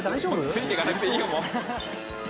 ついていかなくていいよもう。